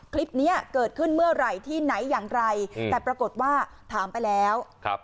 คลิปเนี้ยเกิดขึ้นเมื่อไหร่ที่ไหนอย่างไรแต่ปรากฏว่าถามไปแล้วครับ